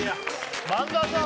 萬田さん。